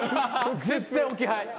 絶対置き配。